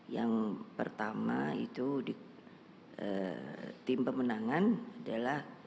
yang pertama itu tim pemenangan adalah